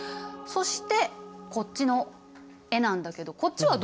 そしてこっちの絵なんだけどこっちはどう？